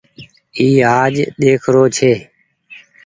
اي آج ۮيک رو ڇي۔